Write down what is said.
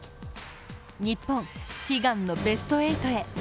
日本、悲願のベスト８へ。